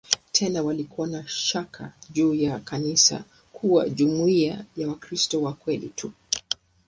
Tena walikuwa na shaka juu ya kanisa kuwa jumuiya ya "Wakristo wa kweli tu".